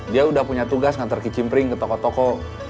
dia udah punya tugas ngantar kicimpring ke toko toko